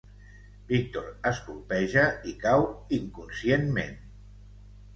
Víctor es colpeja i cau inconscientment.